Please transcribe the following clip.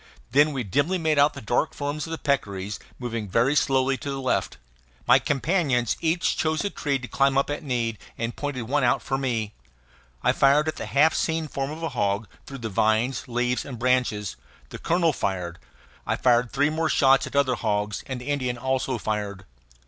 Then we dimly made out the dark forms of the peccaries moving very slowly to the left. My companions each chose a tree to climb at need and pointed out one for me. I fired at the half seen form of a hog, through the vines, leaves, and branches; the colonel fired; I fired three more shots at other hogs; and the Indian also fired.